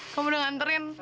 kamu udah nganterin